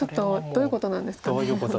どういうことですかね。